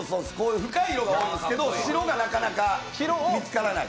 深い色が多いんですけど白がなかなか見つからない。